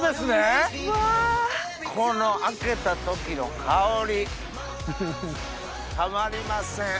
この開けた時の香りたまりません。